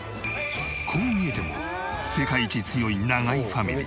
こう見えても世界一強い永井ファミリー。